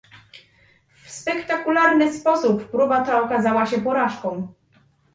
W spektakularny sposób próba ta okazała się porażką